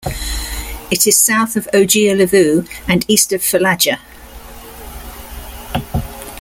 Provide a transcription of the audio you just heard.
It is south of Ogea Levu and east of Fulaga.